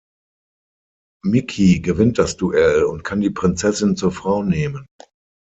Micky gewinnt das Duell und kann die Prinzessin zur Frau nehmen.